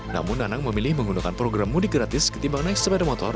namun nanang memilih menggunakan program mudik gratis ketimbang naik sepeda motor